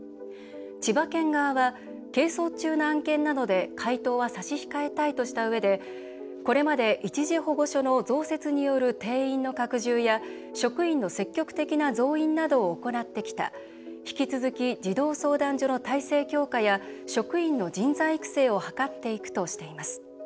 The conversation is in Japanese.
千葉県側は係争中の案件なので回答は差し控えたいとしたうえでこれまで一時保護所の増設による定員の拡充や職員の積極的な増員などを行ってきた引き続き児童相談所の体制強化や職員の人材育成を図っていくとしています。